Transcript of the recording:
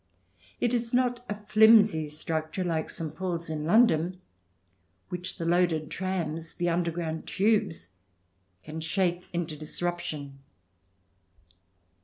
It is not a flimsy structure like St. Paul's in London, which the loaded trams, the underground tubes can sha':e into disruption.